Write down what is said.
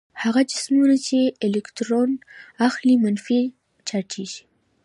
هغه جسمونه چې الکترون اخلي منفي چارجیږي.